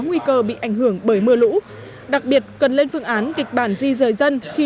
nguy cơ bị ảnh hưởng bởi mưa lũ đặc biệt cần lên phương án kịch bản di rời dân khi